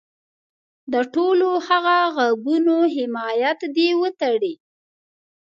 د ټولو هغه غږونو حمایت دې وتړي.